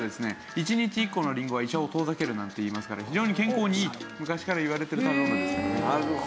１日１個のりんごが医者を遠ざけるなんていいますから非常に健康にいいと昔からいわれてる食べ物ですよね。